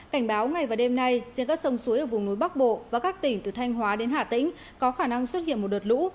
cảnh báo ngày và đêm nay trên các sông suối ở vùng núi bắc bộ và các tỉnh từ thanh hóa đến hà tĩnh có khả năng xuất hiện một đợt lũ